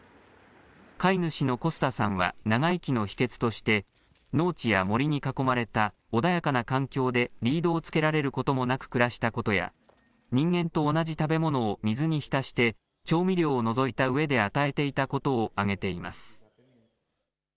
飼い主のコスタさんは長生きの秘けつとして農地や森に囲まれた穏やかな環境でリードをつけられることもなく暮らしたことや人間と同じ食べ物を水に浸して調味料を除いたうえで与えていたことを挙げています。